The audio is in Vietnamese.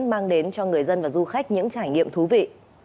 mang đến cho người dân và du khách những trải nghiệm thú vị